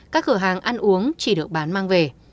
các cửa hàng ăn uống chỉ được bán mang về